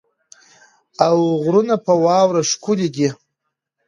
او غرونه په واوره ښکلې دي.